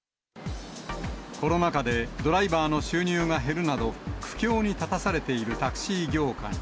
コロナ禍で、ドライバーの収入が減るなど、苦境に立たされているタクシー業界。